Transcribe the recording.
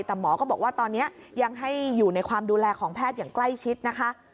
แต่หมอก็บอกว่าตอนนี้ยังให้อยู่ในความดูแลของแพทย์อย่างใกล้ชิดนะคะ